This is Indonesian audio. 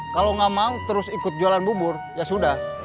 kalau nggak mau terus ikut jualan bubur ya sudah